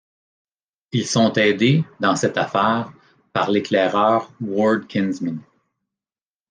Ils sont aidés, dans cette affaire, par l'éclaireur Ward Kinsman.